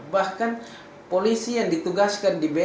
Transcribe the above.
bahkan polisi yang ditugaskan di bnp dua tki